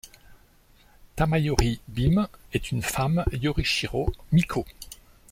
Tamayori-bime est une femme Yorishiro, Miko.